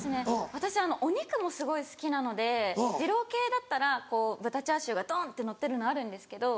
私お肉もすごい好きなので二郎系だったら豚チャーシューがドンってのってるのあるんですけど。